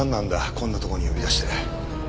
こんな所に呼び出して。